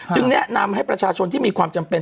แนะนำให้ประชาชนที่มีความจำเป็น